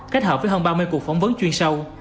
kết hợp với hơn ba mươi cuộc phỏng vấn chuyên sâu